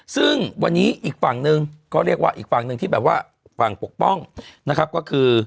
ซึ่งวันนี้อีกฝั่งหนึ่งก็เรียกว่าอีกฝั่งหนึ่งที่แบบว่าฝั่งปกป้องนะครับก็คือ